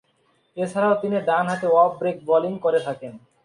এছাড়াও তিনি ডানহাতে অফ ব্রেক বোলিং করে থাকেন।